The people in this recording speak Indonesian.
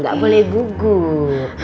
gak boleh gugup